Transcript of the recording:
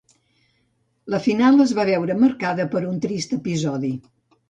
La final es va veure marcada per un trist episodi.